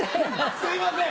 すいません！